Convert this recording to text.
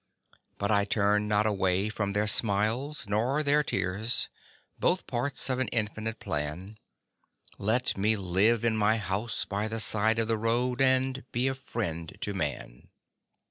But I turn not away from their smiles nor their tears Both parts of an infinite plan; Let me live in my house by the side of the road And be a friend to man.